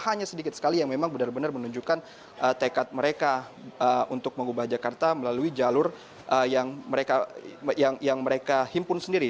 hanya sedikit sekali yang memang benar benar menunjukkan tekad mereka untuk mengubah jakarta melalui jalur yang mereka himpun sendiri